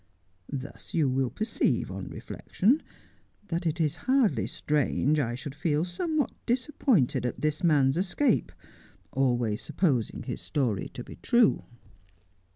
Thus you will perceive on re flection that it is hardly strange I should feel somewhat disap 130 Just as I Am pointed at this man's escape, always supposing Lis story to be true.'